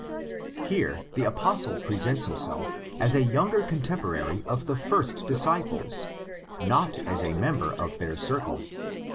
Here the Apostle presents himself as a younger contemporary of the first disciples, not as a member of their circle.